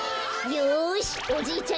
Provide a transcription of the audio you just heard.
よしおじいちゃんいくぞ。